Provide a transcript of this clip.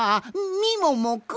みももくん！？